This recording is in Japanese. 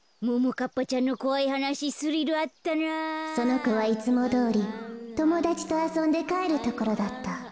かいそうそのこはいつもどおりともだちとあそんでかえるところだった。